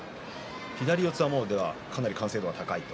左四つはもうかなり完成度が高いと。